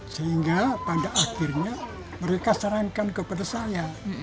sehingga pada akhirnya mereka sarankan kepada saya